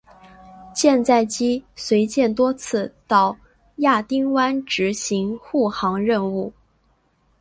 舰载机随舰多次到亚丁湾执行护航任务。